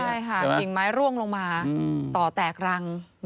ช่างขึงไม้ร่วงลงมาต่อแตกรัง